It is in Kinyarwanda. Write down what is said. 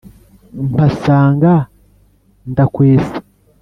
mpasanga ndakwesa.